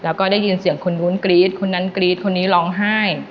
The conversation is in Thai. แล้วก็ได้ยินเสียงคนนู้นกรี๊ดคนนั้นกรี๊ดคนนี้ร้องไห้